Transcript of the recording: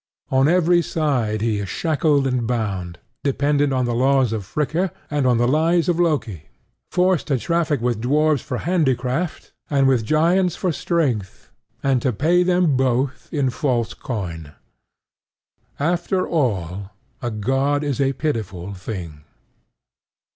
On every side he is shackled and bound, dependent on the laws of Fricka and on the lies of Loki, forced to traffic with dwarfs for handicraft and with giants for strength, and to pay them both in false coin. After all, a god is a pitiful thing.